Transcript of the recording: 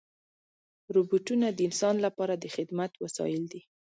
روبوټونه د انسان لپاره د خدمت وسایل دي.